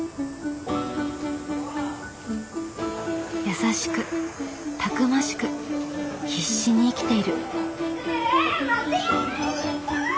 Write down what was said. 優しくたくましく必死に生きている。